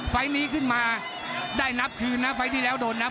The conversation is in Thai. ไฟล์นี้ขึ้นมาได้นับคืนนะไฟล์ที่แล้วโดนนับ